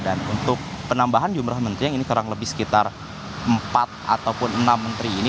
dan untuk penambahan jumlah menteri yang ini kurang lebih sekitar empat ataupun enam menteri ini